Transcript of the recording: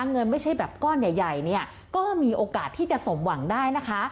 เงินไม่ใช่แบบก้อนใหญ่เนี่ยก็มีโอกาสที่จะสมหวังได้นะคะ